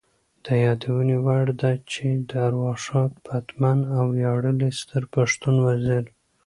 د یادونې وړ ده چې د ارواښاد پتمن او ویاړلي ستر پښتون وزیر